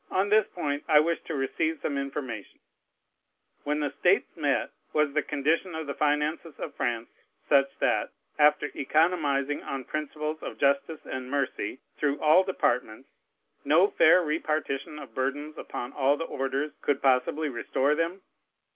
On this point I wish to receive some information. When the States met, was the condition of the finances of France such, that, after economizing, on principles of justice and mercy, through all departments, no fair repartition of burdens upon all the orders could possibly restore them?